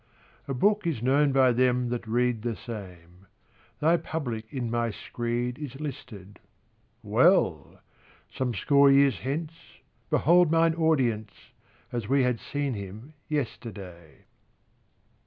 A book is known by them that read That same. Thy public in my screed Is listed. Well! Some score years hence Behold mine audience, As we had seen him yesterday.